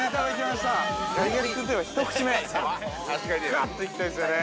がっと行きたいですね。